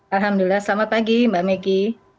alhamdulillah selamat pagi mbak meggy